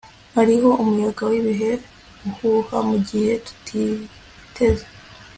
hariho umuyaga wibihe uhuha mugihe tutiteze